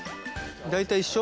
大体一緒？